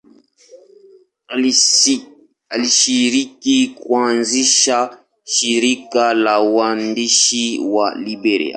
Alishiriki kuanzisha shirika la waandishi wa Liberia.